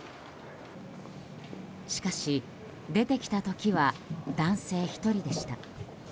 しかし、出てきた時は男性１人でした。